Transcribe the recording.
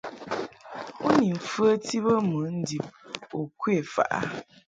U ni mfəti bə mɨ ndib u kwe faʼ a ?